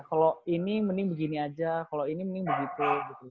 kalau ini mending begini aja kalau ini mending begitu